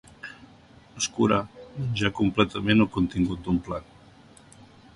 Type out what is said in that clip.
Escurar, menjar completament el contingut d'un plat.